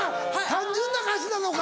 単純な歌詞なのか。